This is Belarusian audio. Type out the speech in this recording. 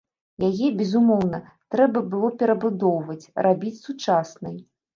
Яе, безумоўна, трэба было перабудоўваць, рабіць сучаснай.